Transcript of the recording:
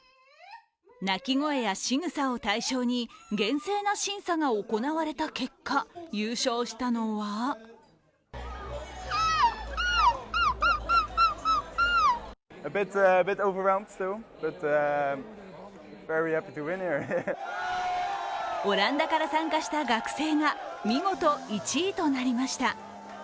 鳴き声やしぐさを対象に厳正な審査が行われた結果優勝したのはオランダから参加した学生が見事１位となりました。